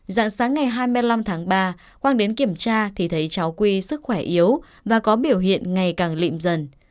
dạng sáng ngày hai mươi năm tháng ba quang đến kiểm tra thì thấy cháu quy sức khỏe yếu và có biểu hiện ngày càng lịm dần